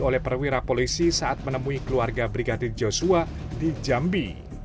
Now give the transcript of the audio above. oleh perwira polisi saat menemui keluarga brigadir joshua di jambi